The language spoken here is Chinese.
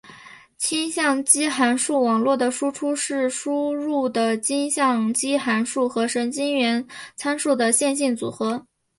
径向基函数网络的输出是输入的径向基函数和神经元参数的线性组合。